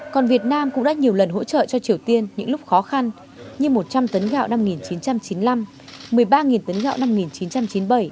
còn việt nam cũng đã nhiều lần hỗ trợ cho triều tiên những lúc khó khăn như một trăm linh tấn gạo năm một nghìn chín trăm chín mươi năm một mươi ba tấn gạo năm một nghìn chín trăm chín mươi bảy